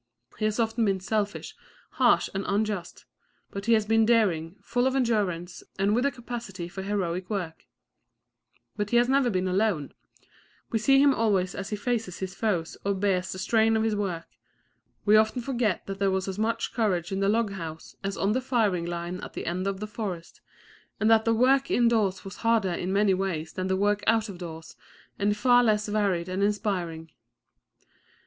He has often been selfish, harsh and unjust; but he has been daring, full of endurance and with a capacity for heroic work; But he has never been alone; we see him always as he faces his foes or bears the strain of his work: we often forget that there was as much courage in the log house as on the firing line at the edge of the forest, and that the work indoors was harder in many ways than the work out of doors and far less varied and inspiriting.